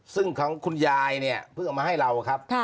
ซึ่งของคุณยายเนี่ยเพิ่งเอามาให้เราครับ